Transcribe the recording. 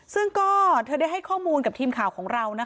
ซึ่งก็เธอได้ให้ข้อมูลกับทีมข่าวของเรานะคะ